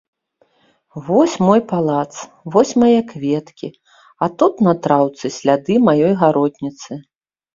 Вось мой палац, вось мае кветкі, а тут на траўцы сляды маёй гаротніцы.